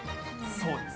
そうです。